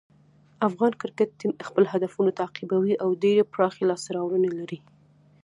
افغان کرکټ ټیم خپل هدفونه تعقیبوي او ډېرې پراخې لاسته راوړنې لري.